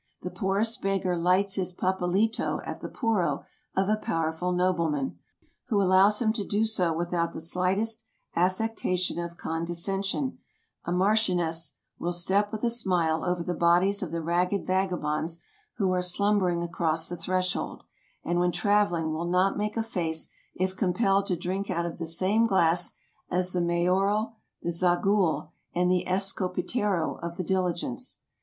The poorest beggar lights his papelito at the pitro of a powerful nobleman, who allows him to do so without the slightest affectation of condescension ; a marchioness will step with a smile over the bodies of the ragged vagabonds who are slumbering across the threshold, and when traveling will not make a face if compelled to drink out of the same glass as the mayoral, the zagid, and the escopetero of the diligence.